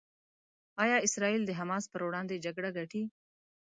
ایا اسرائیل د حماس پر وړاندې جګړه ګټي؟